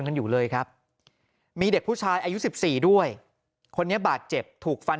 กันอยู่เลยครับมีเด็กผู้ชายอายุ๑๔ด้วยคนนี้บาดเจ็บถูกฟัน